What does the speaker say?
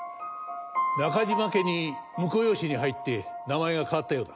中島家に婿養子に入って名前が変わったようだ。